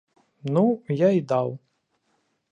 Ну, я і даў.